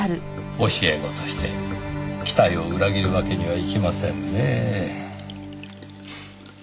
教え子として期待を裏切るわけにはいきませんねぇ。